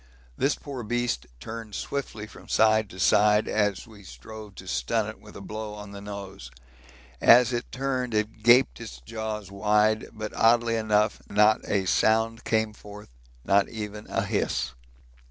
This poor beast turned swiftly from side to side as we strove to stun it with a blow on the nose. As it turned it gaped its jaws wide, but oddly enough not a sound came forth, not even a hiss.